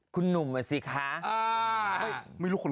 คุณหนุ่มอ่ะสิคะ